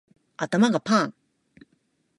頭がパーン